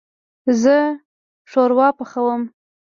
زه شوروا پخوم